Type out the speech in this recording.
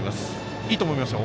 いいと思いますよ。